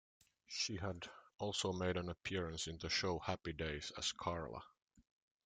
She had also made an appearance in the show "Happy Days" as Carla.